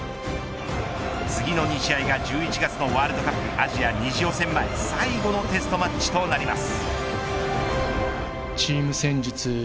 次の２試合が１１月のワールドカップアジア２次予選前最後のテストマッチとなります。